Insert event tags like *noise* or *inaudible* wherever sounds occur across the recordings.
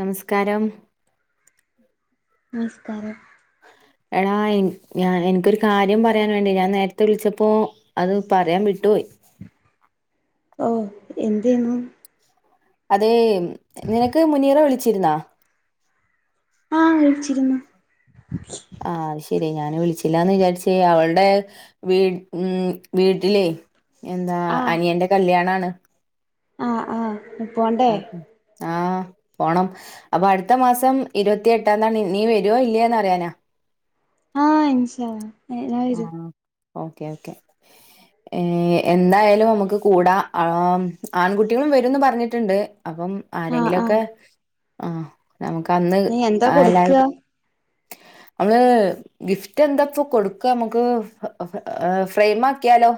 നമസ്കാരം നമസ്കാരം എടാ ഞാൻ എനിക്കൊരു കാര്യം പറയാൻ വേണ്ടി ഞാൻ നേരത്തെ വിളിച്ചപ്പോ അത് പറയാൻ വിട്ടു ട്ടുപോയി ഓ എന്തേന്നു അതെ നിനക്ക് മുനീറ വിളിച്ചിരുന്നോ ആഹ വിളിച്ചിരുന്നു ആഹ അത് ശെരി ഞാന് വിളിച്ചില്ലാന്ന് വിചാരിച്ചേ അവളടെ വീ ഉ വീട്ടിലേ എന്താ അനിയന്റെ കല്യാണാണ് ആഹ ആഹ ആ ആഹ പോണം അപ്പൊ അടുത്ത മാസം ഇരുപത്തിയ എട്ടാംതാണ് നീ വരുവോ ഇല്ലേ എന്ന് അറിയാനാ ആ ഇൻഷാഅല്ല *inaudible* വരും ഓക്കേ ഓക്കെ ഏ എന്തായാലും നമുക്ക് കൂടാ ആ ആൺകുട്ടികളും വരുംഎന്ന് പറഞ്ഞിട്ടുണ്ട് അപ്പം ആഹ് ആഹ് ആരെങ്കിലൊക്കെ ആ നമുക്ക് അന്ന് നീ എന്താ എല്ലാരും കൊടുക്കാ *inaudible* നമ്മള് ഗിഫ്റ്റ് എന്താപ്പ കൊട് ക്കമ്മക്ക് ഫ്രെയിമാക്കിയാലോ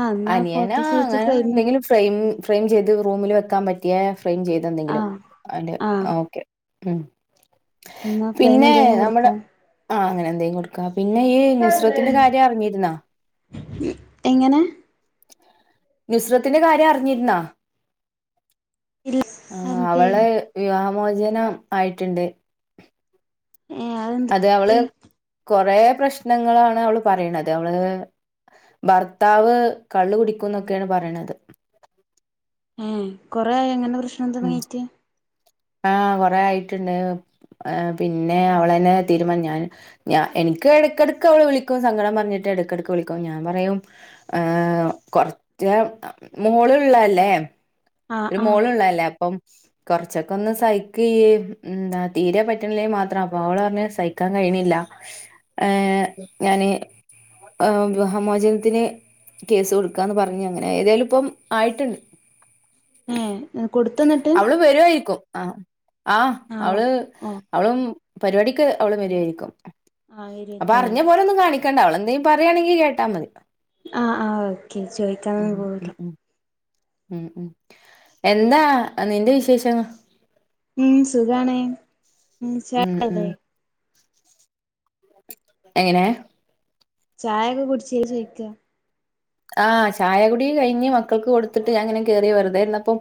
ആഹ് എന്നാ അനിയനാ ഫോട്ടോസ് വെച്ച് ഫ്രെയിമ് അങ്ങനെന്തെങ്കിലും ഫ്രം ഫ്രെയിം ചെയ്ത് റൂമിൽ വെക്കാൻ പറ്റിയെ ഫ്രെയിം ചെയ്തന്തെങ്കിലും ആഹ് അയ്ന്റെ ആഹ് ഓക്കെ മ് എന്നാ ഫ്രെയിം പിന്നെ എന്തേലും നമ്മുടെ കൊടുക്കാം ആ അങ്ങനെ എന്തേലും കൊടുക്കാ പിന്നെ ഈ നുസ്രത്തിന്റെ കാര്യം അറിഞ്ഞിർന്നൊ മ് എങ്ങനെ നുസ്രത്തിന്റെ കാര്യം അറിഞ്ഞിർന്നാ ഇല്ല ആ അതെന്തെയ്യാ അവളെ വിവാഹമോചനം ആയിട്ട്ണ്ട് ഏ അതെന്ത് റ്റി കൊറേ പ്രശ്നങ്ങളാണ് അവള് പറിണത് അവള് ഭർത്താവ് കള്ള് കുടിക്കും ന്നൊക്കെണ് പറിണത് ഏ കൊറേ ആയോ ഇങ്ങനെ പ്രശ്നം തുടങ്ങീറ്റ് ആ കൊറേ ആയിട്ട്ണ്ട് ഏ പിന്നെ അവളന്നെ തിര് മ്മാ ഞാന് ഞ എനിക്ക് എടക്കെടക്ക് അവള് വിളിക്കും സങ്കടം പറഞ്ട്ട് എടക്കെടക്ക് വിളിക്കും ഞാൻ പറയും ഹേ കൊർച്ച് മോള് ള്ളല്ലേ ആഹ് ഒരു ആഹ് മോള് ള്ളല്ലേ അപ്പം കൊറച്ചൊക്കൊന്ന് സഹിക്ക് ഇയ്യ് എന്താ തീരെ പറ്റ്ണില്ലേൽ മാത്രം അപ്പൊ ഓളറഞ്ഞ് സഹിക്കാൻ കഴി യിണില്ല ഏ ഞാന് വിവാഹമോചനത്തിന് കേസ് കൊടുക്കാന്ന് പറഞ്ഞ് അങ്ങനെ ഏതായാലും ഇപ്പം ആയിട്ട്ണ്ട് ഏ കൊടുത്തന്നട്ട് വരുവായിരിക്കും ആ ആ അവള് ഓ അവളും പരിപാടിക്ക് അവള് വരിവായിരിക്കും ആ *unintelligible* ക്കണ്ട അവളെന്തേലും പറയാണെങ്കിൽ കേട്ടാ മതി ആ ആ ഓക്കെ ഉം ചോയ്ക്കാനൊന്നും പോവൂല ഉം ഉം ഉം ഉം എന്താ നിന്റെ വിശേഷങ്ങ ഉം സുഖാണ് മ് ചാ ഉം *unintelligible* ഉം ല്ലേ എങ്ങനെ ചായൊക്കെ കുടിച്ചോ ചോയ്ക്കാ ആ ചായകുടി കഴിഞ്ഞ് മക്കൾക്ക് കൊടുത്തിട്ട് ഞാൻ ഇങ്ങനെ കേറി വെറുതെയിരുന്നപ്പം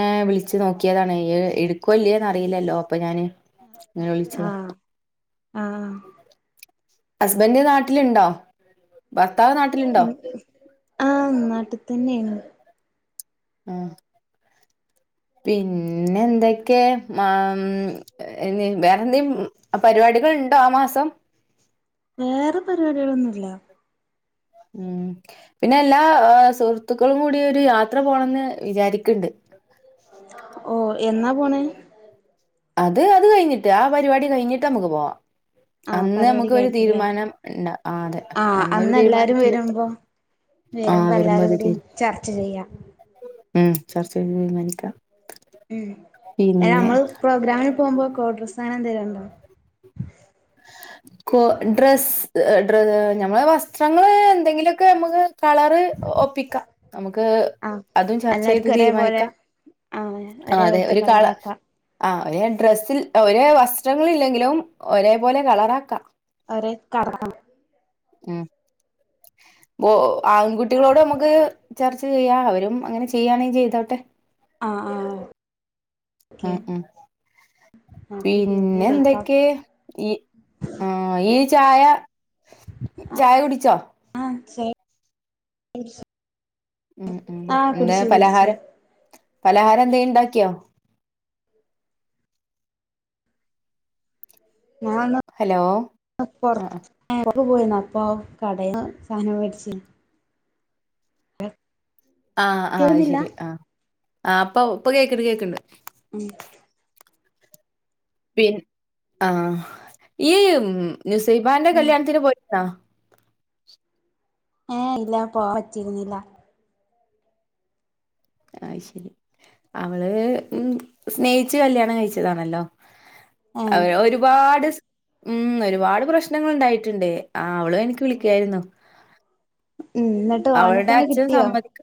ഏ വിളിച്ച നോക്കിയതാണ് എടുക്കുവോ ഇല്ലയോന്ന് അറിയില്ലല്ലോ അപ്പൊ ഞാന് ഇങ്ങനെ ആ വിളിച്ചതാ ആ ഹസ്ബൻഡ് നാട്ടിലുണ്ടോ ഭർത്താവ് നാട്ടിലുണ്ടോ ആ നാട്ടിതന്നെയാണ് ആ പിന്നെന്തൊക്കെ മ അമ് നി വേറെന്തേം പരിപാടികൾ ണ്ടോ ആ മാസം വേറെ പരിപാടികളൊന്നൂല്ല ഉം പിന്നെ എല്ലാ സുഹൃത്തുക്കളും കൂടി ഒരു യാത്ര പോണംന്ന് വിചാരിക്ക്ണ്ട് ഓ എന്നാ പോണേ അത് അത് കഴിഞ്ഞിട്ട് ആ പരിപാടി കഴിഞ്ഞിട്ട് നമ്മക്ക് പോവാ ആഹ് അന്ന് പരിപാടി നമുക്ക് ഒരു കഴിഞ്ഞിട്ടില്ലേ തീരുമാനം ഇടാ ആ അതെ അന്നൊരു തീരുമാനത്തിലെത്താം ആ വെരുമ്പോ വരുമ്പോ എല്ലാരും ഒരു കൂടി തീ ചർച്ച ചെയ്യാം ഉം ചർച്ച ചെയ്തതീര്മാനിക്കാം മ് അയ്‌ന് മ്മള് പ്രോഗ്രാമിൽ പോമ്പോ കോഡ് ഡ്രസ്സ്‌ അങ്ങനെന്തേലുണ്ടോ കൊ ഡ്രസ് ഡ്രെ ഞമ്മളെ വസ്ത്രങ്ങള് എന്തെങ്കിലൊക്കെ നമ്മക്ക് കളറ് ഒപ്പിക്കാം നമുക്ക് ആഹ് അതും ചർച്ച ചെയ്ത് എല്ലാർക്കും ഒരേപോലെ തീരുമാനിക്കാം ആഹ് അ ഒരേ അതെ പോലത്തെ ഒരു കള കളറാക്കാം ആ ഒരെ ഡ്രസ്സിൽ ഒരേ വസ്ത്രങ്ങലില്ലെങ്കിലും ഒരേപോലെ കളറ ആക്കാ അരേ കാർ *unintelligible* ഉം ഓ ആൺകുട്ടികളോട് ഞമ്മക്ക് ചർച്ച ചെയ്യാം അവരും അങ്ങനെ ചെയ്യാണെ ചെയ്തോട്ടെ ആഹ് ആഹ് ഉം ഓക്കെ ഉം നമുക്ക് പിന്നെ ഗ്രൂപ്പിൽ ചോയിക്കാം എന്തൊക്കെ യ്യ് ആ യ്യ് ചായ ചായ കുടിച്ചോ *unintelligible* ഉം ഉം ആ എന്താ കുടിച്ച് കുടിച്ച് പലഹാരം പലഹാരം എന്തെ ഇണ്ടാക്കിയോ ഹലോ ഞാൻന്ന് പൊറ യെറ ആ *unintelligible* എപ്പ പോയിന്ന് അപ്പ കടെന്ന് സാനം വേടിച്ചയാ എർ ആഹ് ആയ് ശെരി ആഹ് ആ അപ്പൊ ഇപ്പ കേക്കണ്ട് കേക്കണ്ട് ഉം പി ആ യ്യ് നുസൈബാന്റെ ഉം കല്യാണത്തിന് പോയി ആഹ് ഏ ഇല്ല പോ പറ്റിരിന്നില്ല ആയ് ശെരി അവള് ഉം സ്നേയിച്ച് കല്യാണം കഴിച്ചതാണല്ലോ ഏ അവ ഉം ഒരുപാട് സ് ഉം ഒരുപാട് പ്രശ്നങ്ങൾ ഉണ്ടായിട്ട്ണ്ട് ആ അവളും എനിക്ക് വിളിക്കാരുന്നു എന്നിട്ട് ഓനെ അവള്ടെ തന്നെ അച്ഛൻ കിട്ടിയോ സമ്മതിക്ക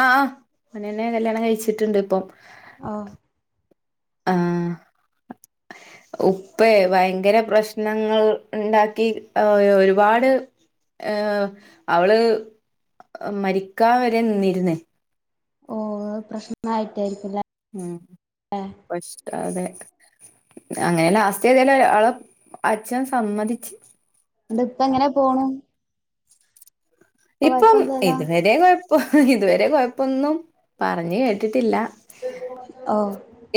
ആഹ് ആ ഓനെന്നെ കല്യാണം കഴിച്ചിട്ട്ണ്ട് ഇപ്പം ആ ആഹ് ഉപ്പേ ഭയങ്കര പ്രശ്നങ്ങൾ ണ്ടാക്കി ഒ ഒ ഒര്പാട് ഏ അവള് മരിക്കാ വരെ നിന്നിരുന്നേ ഓ അത് പ്രശ്ന ആയിട്ടായിരി ഉം പഷ് അതെ അങ്ങനെ ലാസ്റ്റ് ഏതാലും അവളെ അച്ഛൻ സമ്മതിച്ച് ണ്ട് ഇപ്പ എങ്ങനെ പോണു ഇപ്പം കൊഴപ്പൊന്നുല്ലല്ലോ ഇത് വരെ കൊഴപ്പം ഇത് വരെ കൊഴപ്പൊന്നും പറഞ്ഞ് കേട്ടിട്ടില്ല ഓ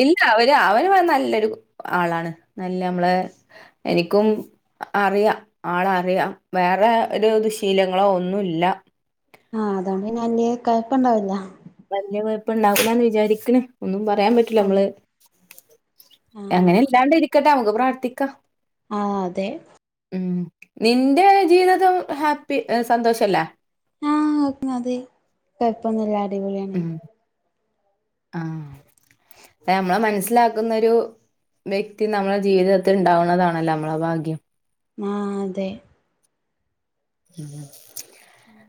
ഇല്ല അവര് അവന് ക് നല്ലൊരു ആളാണ് നല്ല മ്മളെ എനിക്കും അറിയാം ആളെറിയാം വേറെ ഒരു ദുശീലങ്ങളോ ഒന്നുംല്ല ആഹ് അതുകൊണ്ട് പിന്നെ അല്യ കൊഴപ്പണ്ടാവില്ല വല്യ കൊയപ്പം ണ്ടാവൂലാന്ന് വിചാരിക്ക്ണ് ഒന്നും പറയാൻ പറ്റൂല ഓ മ്മള് ആ അങ്ങനെ ഇല്ലാണ്ട് ഇരിക്കട്ടെ മ്മക്ക് പ്രാർത്ഥിക്കാം ആ അതെ ഉം നിന്റെ ജീവിതത്തി ഹാപ്പി സന്തോഷല്ലേ ആഹ് അതെ കൊഴപ്പൊന്നുല്ല അടിപൊളിയാണെ ഉം ആഹ് പ്പ ഞമ്മളെ മനസ്സിലാക്കുന്നൊരു വ്യക്തി നമ്മളെ ജീവിതത്തിൽ ഉണ്ടാവുണതാണല്ലോ നമ്മളെ ഭാഗ്യം ആഹ് അതെ ഉം ഉം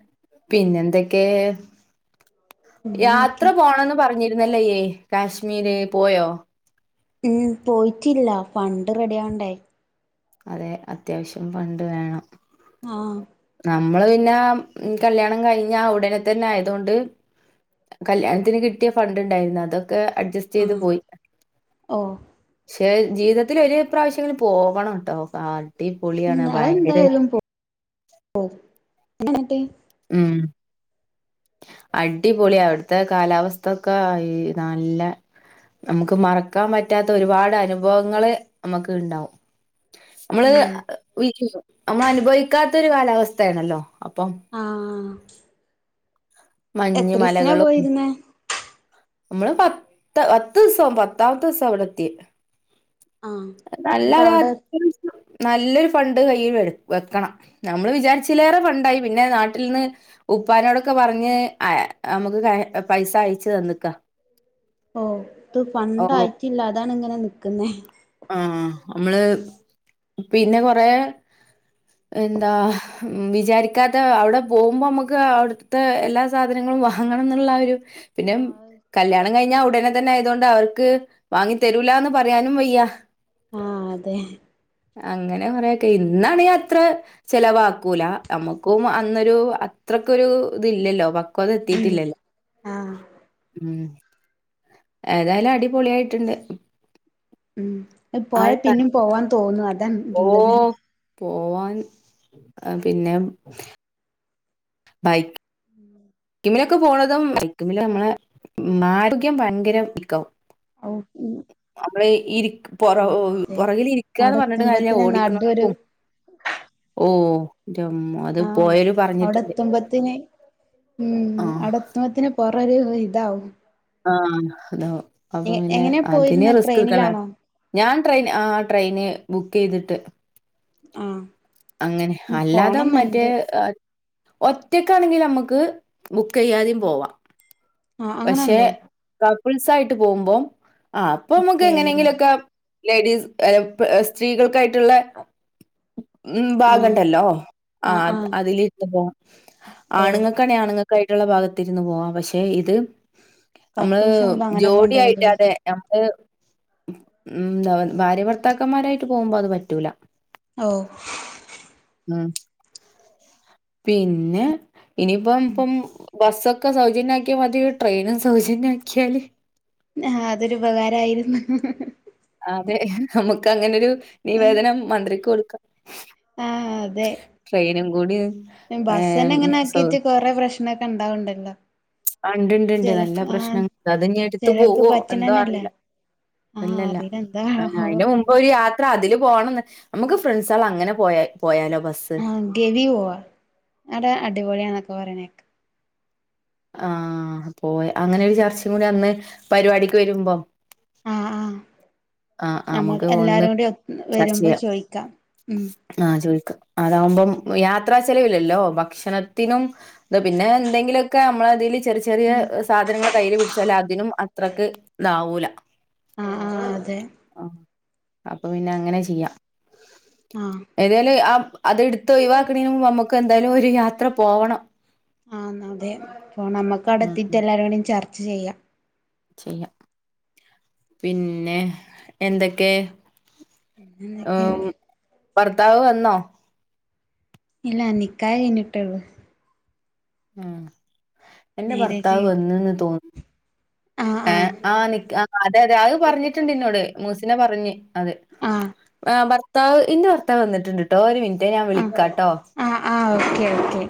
പിന്നെന്തൊക്കെ യാത്ര പിന്നെന്തൊക്കെ പോവണം എന്ന് പറഞ്ഞി രുന്നല്ലോ യ്യ് കാശ്മീര് പോയോ ഉം പോയിറ്റില്ല ഫണ്ട് റെഡി ആവണ്ടേ അതെ അത്യാവശ്യം ഫണ്ട് വേണം ആഹ് നമ്മള് പിന്നെ കല്യാണത്തിന് കിട്ടിയ ഫണ്ട് ഉണ്ടായിരുന്നു അതൊക്കെ അഡ്ജസ്റ്റ് ചെയ്ത് ആഹ് പോയി ഓ ജീവിതത്തില ഒ ഒരുേ പ്രാവശ്യം എങ്ങനെ പോകണം കേട്ടോ കാ ഉം കുട്ടീപൊളിയാണ് ഭയര അതെന്തായാലും പോ എന്നിട്ട് ഉം അടിപൊളി അവിടുത്തെ കാലാവസ്ഥ ഒക്കെ നല്ല നമുക്ക് മറക്കാൻ പറ്റാത്ത ഒരുപാട് അനുഭവങ്ങള് നമുക്ക് ഉണ്ടാവും നമ്മള് ഉം നമ്മൾ അനുഭവിക്കാത്ത ഒരു കാലാവസ്ഥയാണല്ലോ അപ്പം ആഹ മഞ്ഞ മലകളും പോയിരുന്നേ നമ്മള് പത്ത് പത്ത് ദിവസം പത്താമത്തെ ദിവസം അവിടെ എത്തിയ ആഹ് എന്നിട്ട് നല്ലത് അവിടെ അത്യാവശ്യം നല്ലൊരു ഫണ്ട് കയ്യിൽ വ വെക്കണം നമ്മള് വിചാരിച്ചേറെ ഫണ്ടായി പിന്നെ നാട്ടിൽ നിന്ന് ഉപ്പാനോടൊക്കെ പറഞ്ഞ് നമുക്ക് പൈസ അയച്ചു തന്നക്കാം ഓ ഇത് ഫണ്ടായിട്ടില്ല അതാണ് ഇങ്ങനെ നി ക്കുന്നേ ആഹ നമ്മള് പിന്നെ കൊറെ എന്താ വിചാരിക്കാതെ അവിടെ പോകുമ്പോ നമുക്ക് അവിടുത്തെ എല്ലാ സാധനങ്ങള വാങ്ങണം എന്നുള്ള ഒരു പിന്നെ ആഹ് കല്യാണം കഴിഞ്ഞാ ഉടനെ തന്നെ ആയത കൊൊണ്ട് അവർക്ക് വാി തരൂല എന്ന് പറയാനും വയ്യ ആ അതെ അങ്ങനെ കുറെേൊക്കെ ഇന്നാണ് അത്ര ചെിലവാക്കൂല നമുക്കും അന്നൊരു അത്രക്കൊ ഒരു ഇത്ല്ലല്ലോ പക്വത ഉം എത്തിട്ടില്ലല്ലോ ആഹ് ഉം ഏതായാലും അടിപൊളിയായിട്ടുണ്ട് ഉം ആ പോയ ഒരു സ്ഥലം പിന്നും പോവാൻ തോന്നു അതാ ഓ ഉള്ളത് പോവാൻ പിന്നെ ബൈക് മക്കിലൊക്കെ പോണതും ബൈക്കി ൽ നമ്മളെ ആരോഗ്യം ഭയങ്കരം ഇക്കവും ഔ നമ്മള് ഇ പുറ ആഹ് അതെ പുറകിൽിരിക്കുകന്ന് അവിടെ പറഞ്ഞിട്ട് കല്ല എത്തുമ്പത്തിന് നടു ഒരു ഓടിക്കണക്കും ഓമ്മ അത് ആഹ് പോയരു അവിടെ പറഞ്ഞിട്ടുണ്ട് എത്തുമ്പത്തിന് ഉം ആഹ് അടത്തത്തിന് പോറരു ഇതാവും ആഹ അതോ എ അപ്പൊ പിന്നെ എങ്ങനെ അതിനന് പോയിരുന്നെ റിസ്ക് എക്ക ട്രെയിനിലാണോ ഞാൻ ട്രെയിൻ ആ ട്രെയിന് ബുക്ക് ചെയ്തിട്ട് ആഹ അങ്ങനെ അല്ലാതെ മറ്റേ ഒറ്റക്കാണെങ്കിൽ നമ്മുക്ക് ബുക്ക് ചെയയ്യാതും പോവാ ആഹ അങ്ങനെ ഉണ്ടോ ഉത്സായിട്ട് പോകുമ്പോം ആ അപ്പൊ ബുക്ക് നമുക്ക് ചെയ്യണല്ലോ എങ്ങനെങ്കിലുംൊക്കെ ലേഡീസ് അ സ്ത്രീകൾക്കായിട്ടുള്ള ഉം ആഹ് ഭാഗണ്ടല്ലോ ആ ആഹ് ആഹ് അതിലിട്ടോ ഓഹ് ആണുങ്ങക്കണെ ആണുങ്ങക്കായിട്ടുള്ള ഭാഗത്തിരുന്ന് പോവാ പക്ഷെ ഇത് നമ്മള് കപ്പിൾസ് ആവുമ്പോ അങ്ങനെ ജോഡി ആായിട്ട പോണ്ടിവരുല്ലേ അതെ നമ്മള് ഉ എന്ത ഭാര്യഭർത്താക്കന്മാരായിട്ട് പോകുമ്പോ അത് പറ്റൂല ഓ ഉ പിന്നെ ഇനിയിപ്പ ഇപ്പം ബസൊക്കെ ൊക്കെ സൗജന്യക്കിയാ മതി ട്രെയിനും സൗജന്യമാക്കിയാല് ആഹ് അതൊരു ഉപകാരമായിരുന്നു അതെ നമുക്ക് അങ്ങനെരു നിവേദനം മന്ത്രിക്ക് കൊടു ത ട്രെയിനും കൂടി ബസ് തന്നെ ഏഹ് ഇങ്ങനെ സൗ ആക്കെത്തി കൊറെേ പ്രശ്നൊക്കെ ഇണ്ടാവണ്ടല്ലോ. ഉണ്ട്ണ്ട്ണ്ട് നല്ല പ്രശ്നങ്ങ അത് ഇനി എടുത്ത് ചെലോർക്ക് പോവോ. എന്തോ പറ്റണന്നല്ല അറിയില്ല. ആഹ് ഇല്ലല്ല. അറിയില്ല എന്താവോ അയിന് മുമ്പ് ഒരു യാത്ര അതില് പോണന്ന് നമുക്ക് ഫ്രണ്ട്സുകൾ അങ്ങനെ പോയ പോയാലോ? ബസ് ആ ഗവി പോവാ അവിടെ അടിപൊളിയാന്നൊക്കെ പറയണേക്ക. ആ പോയ അങ്ങനെ ഒരു ചർച്ചയും കൂടി അന്ന് പരിപാടിക്ക് വരുമ്പം ആഹ് ആഹ് ആ ആ നമ്മക്ക് നമുക്ക് ഒന്ന് എല്ലാരും കൂടി ചർച്ച വരുമ്പോ ചെയ്യാം. ചോയിക്കാം ഉം ആ ചോയ് ക്ക് അതാകുമ്പം യാത്രാ ചെലവില്ലല്ലോ. ഭക്ഷണത്തിനും പിന്നെ എന്തെങ്കിലൊക്കെ ഒക്കെ നമ്മളതേല് ചെറിയ ചെറിയ സാധനങ്ങൾ കയ്യില് പിടിച്ചാൽ അതിനും അത്രക്ക് ഇതാവൂല. ആഹ് ആഹ് അതെ ആ അപ്പൊ പിന്നെ അങ്ങനെ ചെയ്യാം. ആഹ് ഏതായാലും ആ അത് എടുത്ത് ഒഴിവാക്കണേന് മുമ്പ് നമ്മക്ക് എന്തായാലും ഒരു ഒരു യാത്ര പോവണം. ആ അന്നതെ അപ്പൊ നമ്മുക്ക അവിടെ ഉം എത്തീട്ട് ഉം എല്ലാരും കൂടിം ചർച്ച ചെയ്യാം. ചെയ്യാം പിന്നെ എന്തൊക്കെ പിന്നന്തൊക്കെ ഉം ഭർത്താവ് വന്നോ? ഇല്ല നിക്കാഹ് കഴിഞ്ഞിട്ടേ ഒള്ളു. ഉം എന്റെ മാരേജ് ഭർത്താവ് കഴിഞ്ഞിട്ട് വന്നന്ന് തോ ആഹ് ആ ആഹ് ആ നിക്കാ അതെ അതെ അത് പറഞ്ഞിട്ടുണ്ട് ഇന്നോട് മൂസിന പറഞ്ഞ് അതെ ആഹ് ആ ഭർത്താവ് ഇന്റെ ഭർത്താവ് വന്നിട്ടുണ്ട്ട്ടോ ഒരു മിനി ആ ആ ആ ഓക്കെ ഓക്കേ